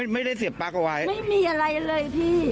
ไม่ได้เสียบปั๊กเอาไว้ไม่มีอะไรเลยพี่